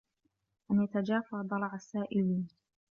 أَنْ يَتَجَافَى ضَرَعَ السَّائِلِينَ